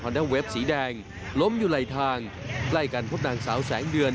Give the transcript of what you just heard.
ด้าเวฟสีแดงล้มอยู่ไหลทางใกล้กันพบนางสาวแสงเดือน